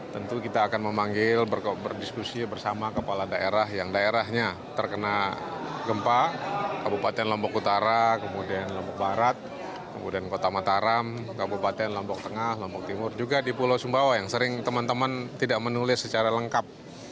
tentu kita akan memanggil berdiskusi bersama kepala daerah yang daerahnya terkena gempa kabupaten lombok utara kemudian lombok barat kemudian kota mataram kabupaten lombok tengah lombok timur juga di pulau sumbawa yang sering teman teman tidak menulis secara lengkap